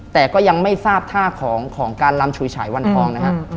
แต่ก็ยังไม่ทราบท่าของการลำฉุยฉายวันทองนะฮะ